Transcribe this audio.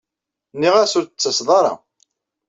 Nniɣ-as ur d-tettaseḍ ara.